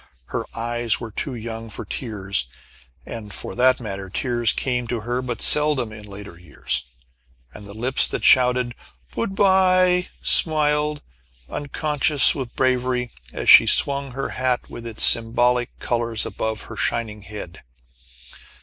Her eyes were too young for tears and for that matter, tears came to her but seldom in later years and the lips that shouted "bood bye" smiled, unconscious of bravery, as she swung her hat with its symbolic colors above her shining head.